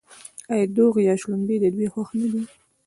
آیا دوغ یا شړومبې د دوی خوښ نه دي؟